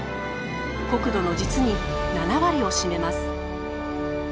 国土の実に７割を占めます。